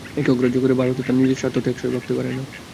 একে অগ্রাহ্য করে ভারত তার নিজের স্বার্থ টেকসই ভাবতে পারে না।